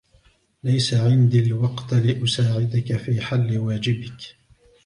ليس عندي الوقت لأساعدك في حل واجبك